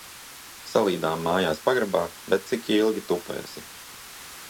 Salīdām mājas pagrabā, bet cik ilgi tupēsi.